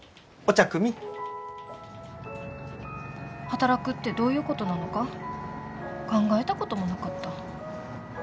働くってどういうことなのか考えたこともなかった。